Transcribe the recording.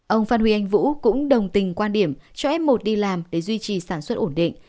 ông phan huy anh vũ cũng đồng tình quan điểm cho f một đi làm để duy trì sản xuất ổn định